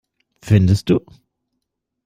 Findest du?